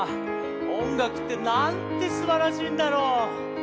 おんがくってなんてすばらしいんだろう」。